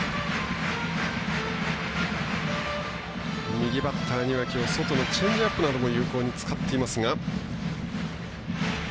右バッターにはきょう、外のチェンジアップなど有効に使っていますが。